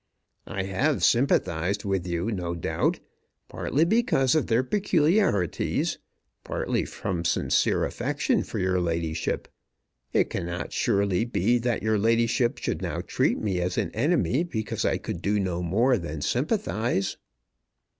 I have sympathized with you no doubt, partly because of their peculiarities, partly from sincere affection for your ladyship. It cannot surely be that your ladyship should now treat me as an enemy because I could do no more than sympathize!